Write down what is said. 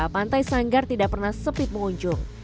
pantai sanggar tidak pernah sepi pengunjung